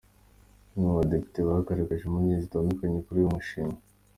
Bamwe mu badepite bagaragaje impungenge zitandukanye kuri uyu mushinga.